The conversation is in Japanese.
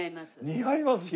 似合いますよ。